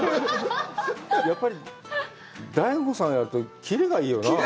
やっぱりＤＡＩＧＯさんがやると、キレがいいよなぁ。